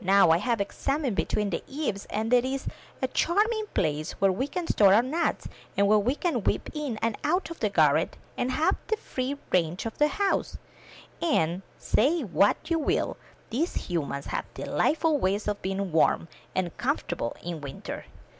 Now I have examined between the eaves, and there is a charming place where we can store our nuts, and where we can whip in and out of the garret, and have the free range of the house; and, say what you will, these humans have delightful ways of being warm and comfortable in winter."